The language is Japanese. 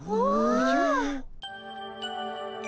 おじゃ。